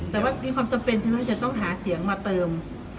แต่ว่ามีความจำเป็นใช่ไหมจะต้องหาเสียงมาเติม